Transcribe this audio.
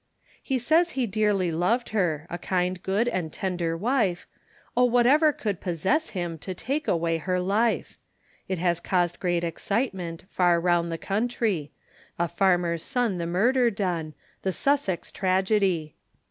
He says he dearly loved her, A kind, good, and tender wife, Oh, whatever could possess him, To take away her life; It has caused great excitement, Far round the country, A farmer's son the murder done, The Sussex tragedy.